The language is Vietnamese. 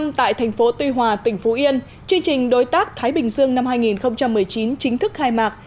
từ mùng sáu tháng năm tại thành phố tuy hòa tỉnh phú yên chương trình đối tác thái bình dương năm hai nghìn một mươi chín chính thức khai mạc